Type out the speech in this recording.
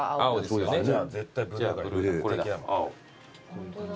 ホントだ。